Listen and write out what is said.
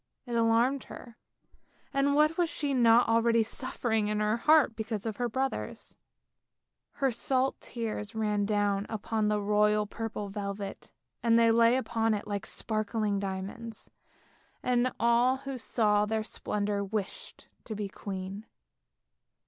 It alarmed her, and what was she not already suffering in her heart because of her brothers ? Her salt tears ran down upon the royal purple velvet, they lay upon it like sparkling diamonds, and all who saw their splendour wished to be queen.